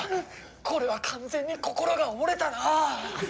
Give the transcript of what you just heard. これは完全に心が折れたな。